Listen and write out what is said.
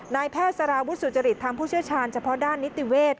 นายแพทย์สารวุฒิสุจริตทางผู้เชี่ยวชาญเฉพาะด้านนิติเวศ